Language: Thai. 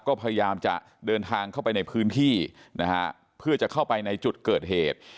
ก็พยายามจะเดินทางเข้าไปในพื้นที่นะฮะเพื่อจะเข้าไปในจุดเกิดเหตุ